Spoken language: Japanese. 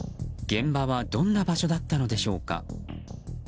現場はどんな場所だったのでしょうか。